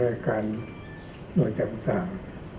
รายการหน่วยต่าง